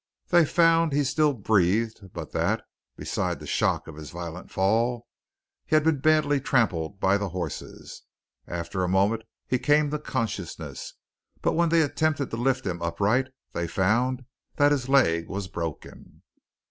They found he still breathed, but that, beside the shock of his violent fall, he had been badly trampled by the horses. After a moment he came to consciousness, but when they attempted to lift him upright, they found that his leg was broken.